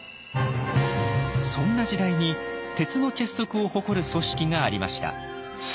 そんな時代に鉄の結束を誇る組織がありました。